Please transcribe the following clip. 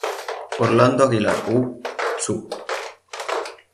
Orlando Aguilar U., Sub.